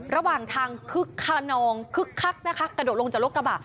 ระหว่างทางคึกขนองคึกคักนะคะกระโดดลงจากรถกระบะ